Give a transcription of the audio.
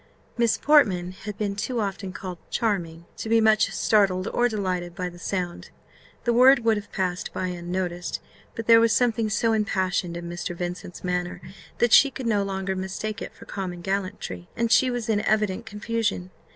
Miss Portman had been too often called "charming" to be much startled or delighted by the sound: the word would have passed by unnoticed, but there was something so impassioned in Mr. Vincent's manner, that she could no longer mistake it for common gallantry, and she was in evident confusion.